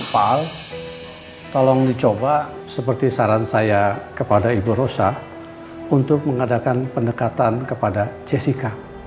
tolong dicoba seperti saran saya kepada ibu rosa untuk mengadakan pendekatan kepada jessica